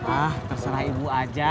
ah terserah ibu aja